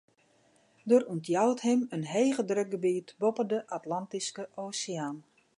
Der ûntjout him in hegedrukgebiet boppe de Atlantyske Oseaan.